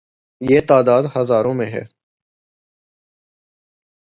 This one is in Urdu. یہ تعداد ہزاروں میں ہے۔